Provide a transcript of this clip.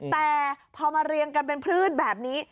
แต่พอมาเรียงกันเป็นพืชแบบนี้